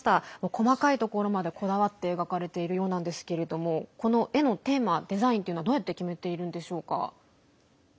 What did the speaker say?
細かいところまでこだわって描かれているようですが絵のテーマやデザインはどうやって決めているんですか？